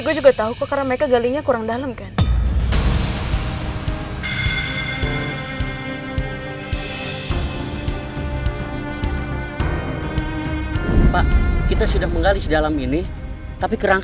kalau ternyata disini kosong dimana anak aku sekarang